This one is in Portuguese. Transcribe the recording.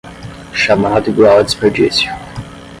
Chamado igual a desperdício